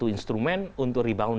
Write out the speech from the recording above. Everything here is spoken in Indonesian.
usually mobilaze pada nilai dewan